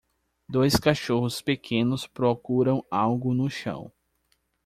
Dois cachorros pequenos procuram algo no chão